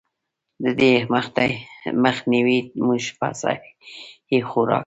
د دې مخ نيوے مونږ پۀ سهي خوراک ،